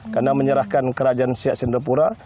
karena menyerahkan kerajaan siak singapura